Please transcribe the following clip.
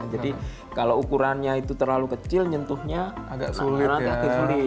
jadi kalau ukurannya itu terlalu kecil nyentuhnya agak sulit